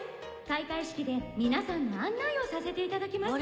開会式で皆さんの案内をさせていただきます。